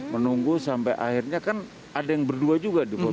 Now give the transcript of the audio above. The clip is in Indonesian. menunggu sampai akhirnya kan ada yang berdua juga